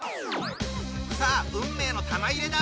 さあ運命の玉入れだ！